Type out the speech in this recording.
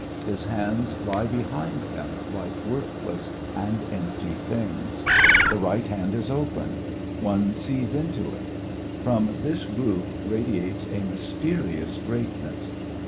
His hands lie behind him like worthless and empty things. The right hand is open; one sees into it. From this group radiates a mysterious greatness.